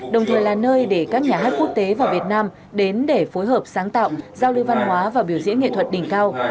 đồng thời là nơi để các nhà hát quốc tế và việt nam đến để phối hợp sáng tạo giao lưu văn hóa và biểu diễn nghệ thuật đỉnh cao